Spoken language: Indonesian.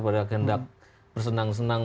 pada kehendak bersenang senang